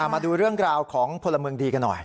มาดูเรื่องราวของพลเมืองดีกันหน่อย